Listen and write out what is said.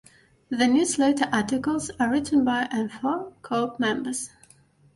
The newsletter articles are written by and for co-op members.